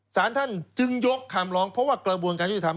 ศาลท่านจึงยกคำลองเพราะว่ากระบวนการช่วยทำ